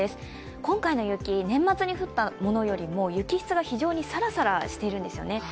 今回の雪、年末に降ったものよりも雪質が非常にさらさらしているんですよね。